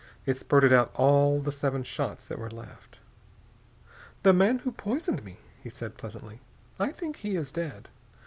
It spurted out all the seven shots that were left. "The man who poisoned me," he said pleasantly. "I think he is dead.